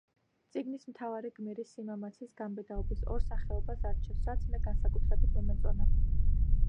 წიგნის მთავარი გმირისიმამაცის, გამბედაობის ორ სახეობას არჩევს, რაც მე განსაკუთრებით მომეწონა.